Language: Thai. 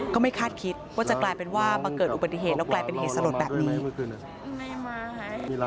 ก็ไม่คาดคิดว่าจะกลายเป็นว่ามาเกิดอุบัติเหตุแล้วกลายเป็นเหตุสลดแบบนี้